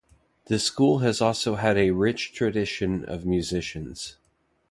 The school has also had a rich tradition of musicians.